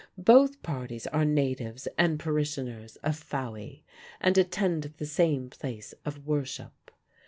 Both parties are natives and parishioners of Fowey, and attend the same place of worship.